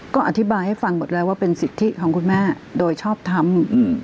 ก็อธิบายให้ฟังหมดแล้วว่าเป็นสิทธิของคุณแม่โดยชอบทำ